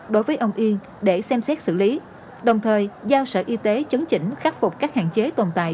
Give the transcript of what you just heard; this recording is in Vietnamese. đối với ông yên để xem xét xử lý đồng thời giao sở y tế chấn chỉnh khắc phục các hạn chế tồn tại